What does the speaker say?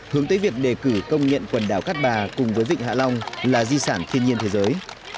hướng tới việc đề cử công nhận quần đảo cát bà cùng với vịnh hạ long là di sản thiên nhiên thế giới